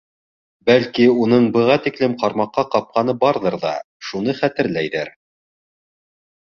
Бәлки, уның быға тиклем ҡармаҡҡа ҡапҡаны барҙыр ҙа шуны хәтерләйҙер.